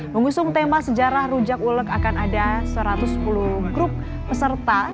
mengusung tema sejarah rujak ulek akan ada satu ratus sepuluh grup peserta